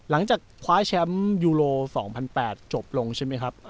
ตอน๒๐๐๘จบลงใช่มั้ยครับ